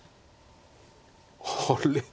あれ？